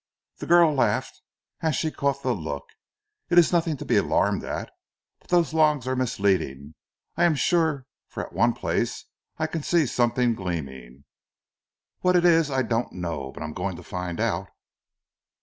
The girl laughed as she caught the look. "It is nothing to be alarmed at; but those logs are misleading I am sure, for at one place I can see something gleaming. What it is I don't know, but I am going to find out."